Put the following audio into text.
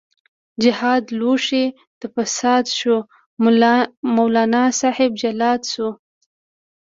جهاد لوښۍ د فساد شو، مولانا صاحب جلاد شو